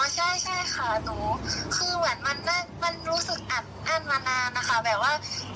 อ๋อใช่ค่ะหนูคือเหมือนเป็นรู้สึกอันะอ่านมานานนะคะ